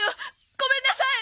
ごめんなさい！